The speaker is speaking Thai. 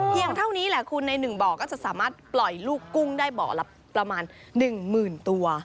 เท่านี้แหละคุณใน๑บ่อก็จะสามารถปล่อยลูกกุ้งได้บ่อละประมาณ๑๐๐๐ตัว